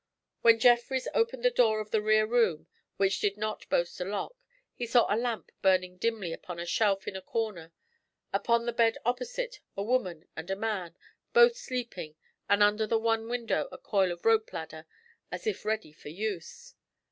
When Jeffrys opened the door of the rear room, which did not boast a lock, he saw a lamp burning dimly upon a shelf in a corner; upon the bed opposite a woman and a man, both sleeping, and under the one window a coil of rope ladder, as if ready for use.